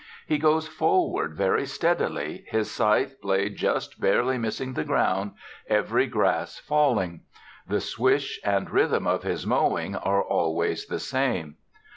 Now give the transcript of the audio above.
He goes forward very steadily, his scythe blade just barely missing the ground, every grass falling; the swish and rhythm of his mowing are always the same.